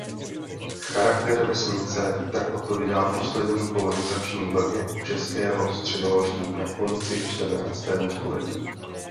Charakter vesnice tak odpovídá poslední kolonizační vlně Českého středohoří na konci čtrnáctého století.